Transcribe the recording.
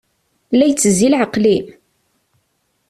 La itezzi leɛqel-im?